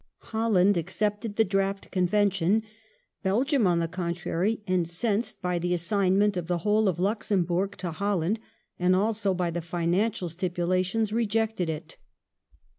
Holland accepted the draft convention ; Belgium, on the contrary, incensed by the assignment of the whole of Luxemburg to Holland and also by the financial stipulations,^ rejected it.